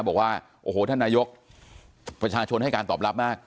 บอกว่าโอ้โหท่านนายกประชาชนให้การตอบรับมาก